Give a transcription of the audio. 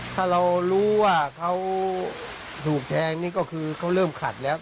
ถ้าเรารู้ว่าเขาถูกแทงนี่ก็คือเขาเริ่มขัดแล้ว